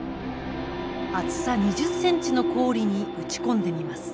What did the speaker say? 厚さ２０センチの氷に撃ち込んでみます。